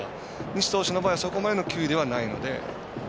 西投手の場合はそこまでの球威ではないので。